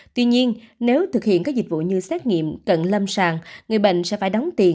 tuy nhiên nếu thực hiện các dịch vụ như xét nghiệm cận lâm sàng người bệnh sẽ phải đóng tiền